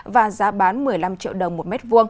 và giá bán một mươi năm triệu đồng một m hai